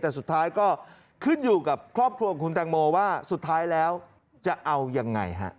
แต่สุดท้ายก็ขึ้นอยู่กับครอบครัวของคุณแตงโมว่าสุดท้ายแล้วจะเอายังไงฮะ